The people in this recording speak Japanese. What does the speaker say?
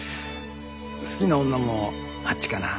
好きな女もあっちかなぁ